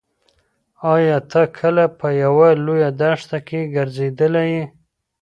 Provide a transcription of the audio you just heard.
ایا ته کله په یوه لویه دښته کې ګرځېدلی یې؟